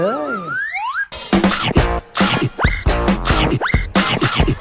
เดิมซุปไข่จี๊ด้วยน้ำจิ้มสุดใจเม็ดนะคะ